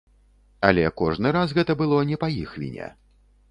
Але кожны раз гэта было не па іх віне.